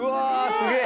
すげえ！